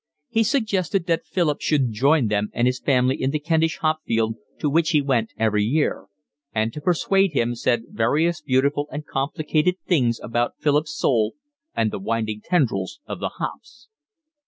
He suggested that Philip should join him and his family in the Kentish hop field to which he went every year; and to persuade him said various beautiful and complicated things about Philip's soul and the winding tendrils of the hops.